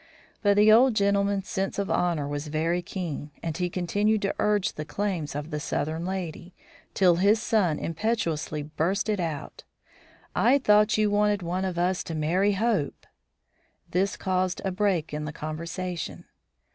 But the old gentleman's sense of honour was very keen, and he continued to urge the claims of the Southern lady, till his son impetuously blurted out: "I thought you wanted one of us to marry Hope?" This caused a break in the conversation.